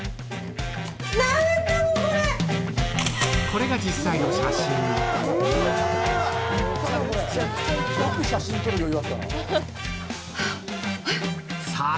これが実際の写真あっえっ？